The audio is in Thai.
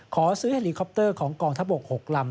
ขอซื้อเฮลีคอปเตอร์ของกองทัพบก๖ลำ